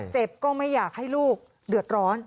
ก็ไม่อยากให้ลูกเดือดร้อน